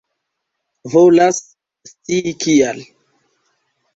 Volas scii kial.